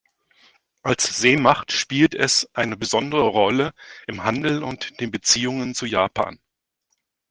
Als Seemacht spielte es eine besondere Rolle im Handel und den Beziehungen zu Japan.